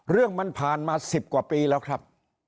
เรื่องมันผ่านมา๑๐กว่าปีแล้วครับ